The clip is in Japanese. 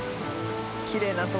きれいな所。